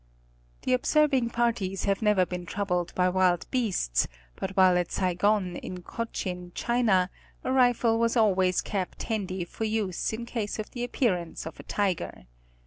The observing parties have never been troubled by wild beasts, but while at Saigon in Cochin, China, a rifle was always kept handy for use in case of the appearance of a tiger.